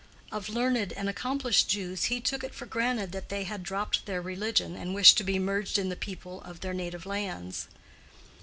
Of learned and accomplished Jews he took it for granted that they had dropped their religion, and wished to be merged in the people of their native lands.